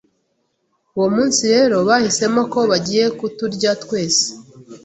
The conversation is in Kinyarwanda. Uwo munsi rero bahisemo ko bagiye kuturya twese